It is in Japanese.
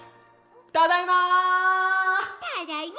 ただいま！